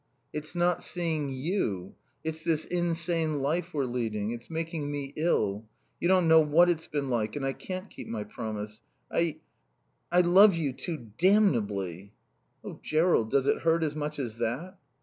"It's not seeing you. It's this insane life we're leading. It's making me ill. You don't know what it's been like. And I can't keep my promise. I I love you too damnably." "Oh, Jerrold does it hurt as much as that?"